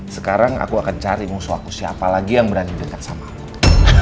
sekarang aku akan cari musuh aku siapa lagi yang berani dekat sama aku